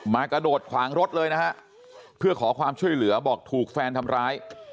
กระโดดขวางรถเลยนะฮะเพื่อขอความช่วยเหลือบอกถูกแฟนทำร้าย